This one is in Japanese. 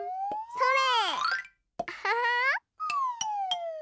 それ！